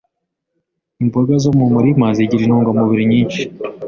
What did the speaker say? imboga zo mu murima zingira intungamubiri nyinshi